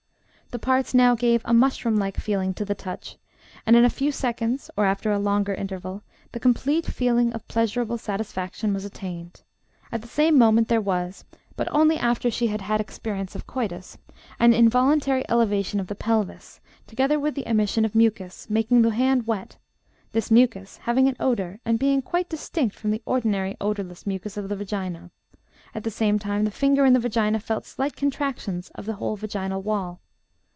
The parts now gave a mushroom like feeling to the touch, and in a few seconds, or after a longer interval, the complete feeling of pleasurable satisfaction was attained. At the same moment there was (but only after she had had experience of coitus) an involuntary elevation of the pelvis, together with emission of mucus, making the hand wet, this mucus having an odor, and being quite distinct from the ordinary odorless mucus of the vagina; at the same time, the finger in the vagina felt slight contractions of the whole vaginal wall.